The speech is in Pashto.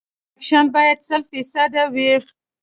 کمپکشن باید سل فیصده وي